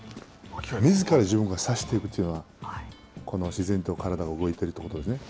みずから自分から差していくというのはこの自然と体が動いているということですね。